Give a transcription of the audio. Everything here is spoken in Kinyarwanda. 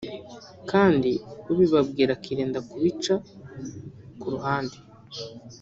kandi ubibabwira akirinda kubica ku ruhande